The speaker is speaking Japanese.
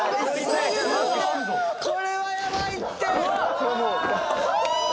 「これはやばいって！」